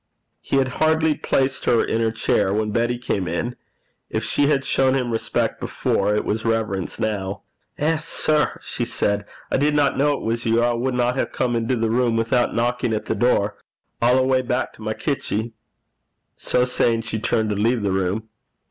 He had hardly placed her in her chair, when Betty came in. If she had shown him respect before, it was reverence now. 'Eh, sir!' she said, 'I didna ken it was you, or I wadna hae come into the room ohn chappit at the door. I'll awa' back to my kitchie.' So saying, she turned to leave the room.